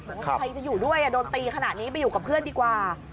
บอกว่าใครจะอยู่ด้วยโดนตีขนาดนี้ไปอยู่กับเพื่อนดีกว่า